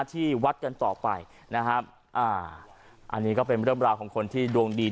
ที่วัดกันต่อไปนะครับอ่าอันนี้ก็เป็นเรื่องราวของคนที่ดวงดี